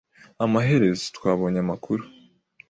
Amaherezo, twabonye amakuru.